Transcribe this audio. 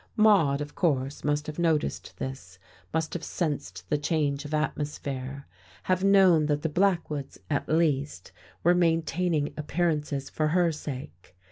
Maude of course must have noticed this, must have sensed the change of atmosphere, have known that the Blackwoods, at least, were maintaining appearances for her sake.